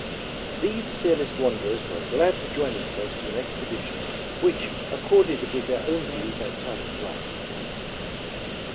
These fearless wanderers were glad to join themselves to an expedition which accorded with their own views and type of life.